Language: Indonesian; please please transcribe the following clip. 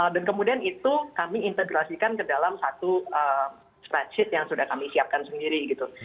dan kemudian itu kami integrasikan ke dalam satu spreadsheet yang sudah kami siapkan sendiri